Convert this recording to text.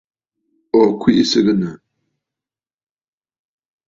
Ò kwìʼi sɨgɨ̀nə̀.